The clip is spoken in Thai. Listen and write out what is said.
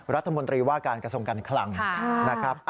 รัฐมนตรีว่าการกระทรวงการคลังนะครับ